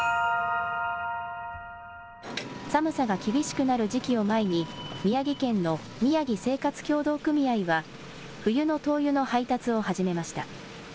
寒さが厳しくなる時期を前に宮城県のみやぎ生活協同組合は冬の灯油の配達を始めました。